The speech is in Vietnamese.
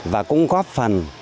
và cũng góp phần